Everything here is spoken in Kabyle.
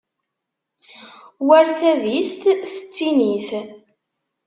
War tadist tettinit.